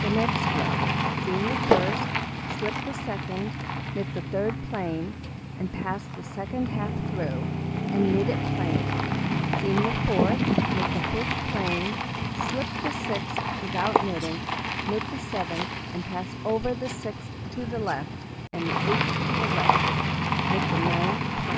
The next row: Seam the 1st, slip the 2d, knit the 3d plain, and pass the 2d half through, and knit it plain, seam the 4th, knit the 5th plain, slip the 6th without knitting, knit the 7th, and pass over the 6th to the left, and the 8th to the right, knit the 9th plain.